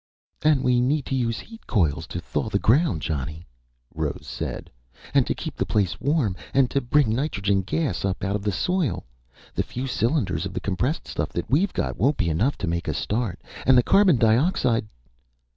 "And we need to use heat coils to thaw the ground, Johnny," Rose said. "And to keep the place warm. And to bring nitrogen gas up out of the soil. The few cylinders of the compressed stuff that we've got won't be enough to make a start. And the carbon dioxide...."